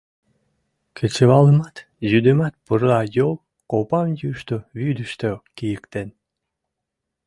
Кечывалымат, йӱдымат пурла йол копам йӱштӧ вӱдыштӧ кийыктен.